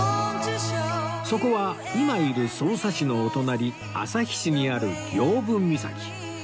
そこは今いる匝瑳市のお隣旭市にある刑部岬